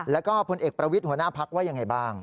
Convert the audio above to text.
แล้วก็พลเอกประวิทย์หัวหน้าพักว่ายังไงบ้าง